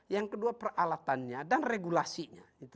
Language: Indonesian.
yang kedua peralatannya dan regulasi ini